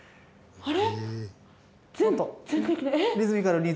あれ？